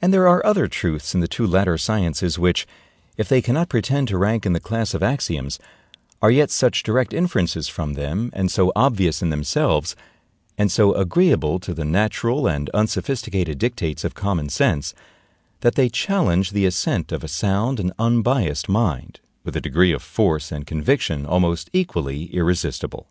And there are other truths in the two latter sciences which, if they cannot pretend to rank in the class of axioms, are yet such direct inferences from them, and so obvious in themselves, and so agreeable to the natural and unsophisticated dictates of common sense, that they challenge the assent of a sound and unbiased mind, with a degree of force and conviction almost equally irresistible.